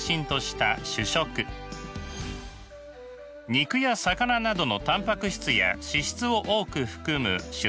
肉や魚などのタンパク質や脂質を多く含む主菜。